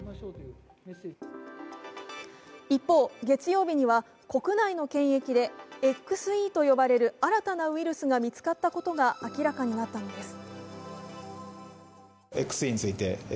一方、月曜日には国内の検疫でＸＥと呼ばれる新たなウイルスが見つかったことが明らかになったのです。